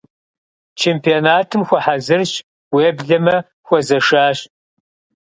Чемпионатым хуэхьэзырщ, уеблэмэ хуэзэшащ.